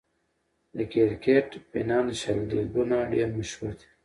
د کرکټ فینانشل لیګونه ډېر مشهور دي.